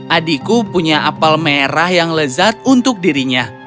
adikku punya apel merah yang lezat untuk dirinya